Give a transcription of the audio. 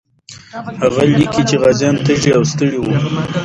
هغه لیکي چې غازیان تږي او ستړي وو.